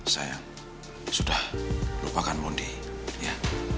saya sudah lupakan mondi ya